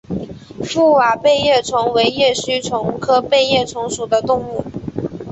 覆瓦背叶虫为叶须虫科背叶虫属的动物。